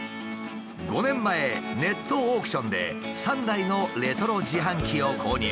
５年前ネットオークションで３台のレトロ自販機を購入。